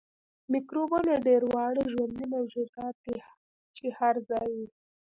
میکروبونه ډیر واړه ژوندي موجودات دي چې هر ځای وي